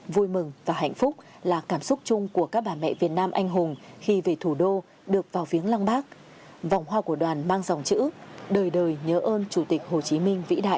vui mừng và hạnh phúc là cảm xúc chung của các bà mẹ việt nam anh hùng khi về thủ đô được vào viếng lăng bác vòng hoa của đoàn mang dòng chữ đời đời nhớ ơn chủ tịch hồ chí minh vĩ đại